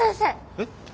えっ？